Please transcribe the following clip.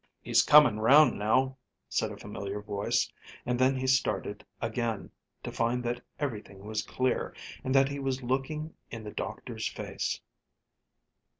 "He's coming round now," said a familiar voice, and then he started again, to find that everything was clear, and that he was looking in the doctor's face.